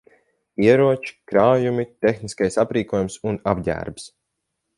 Ieroči, krājumi, tehniskais aprīkojums un apģērbs.